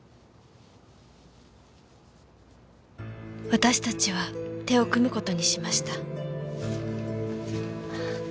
私たちは手を組む事にしました。